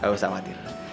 gak usah khawatir